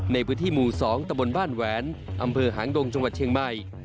ในพื้นที่หมู่๒ตะบนบ้านแหวนอำเภอหางดงจังหวัดเชียงใหม่